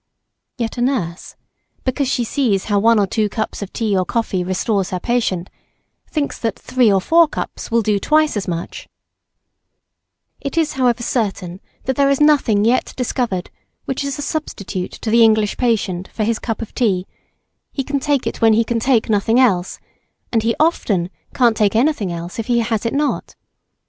Yet a nurse, because she sees how one or two cups of tea or coffee restores her patient, thinks that three or four cups will do twice as much. This is not the case at all; it is however certain that there is nothing yet discovered which is a substitute to the English patient for his cup of tea; he can take it when he can take nothing else, and he often can't take anything else if he has it not.